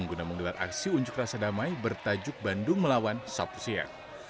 guna menggelar aksi unjuk rasa damai bertajuk bandung melawan sabtu siang